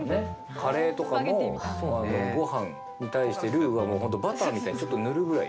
カレーとかも、ごはんに対して、ルーはもう本当にバターみたいにちょっと塗るぐらい。